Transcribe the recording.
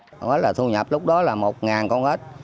con ếch là thu nhập lúc đó là một con ếch